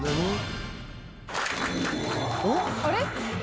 「あれ？」